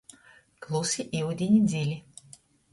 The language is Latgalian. Klusi iudini dzili.